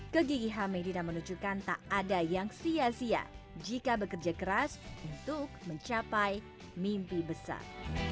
kegigihan medina menunjukkan tak ada yang sia sia jika bekerja keras untuk mencapai mimpi besar